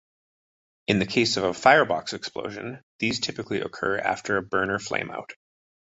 In the case of a firebox explosion, these typically occur after a burner flameout.